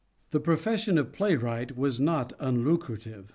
The profession of playwright was not unlucra tive.